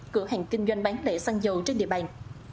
cửa hàng kinh doanh bán lẻ xăng dầu trên địa bàn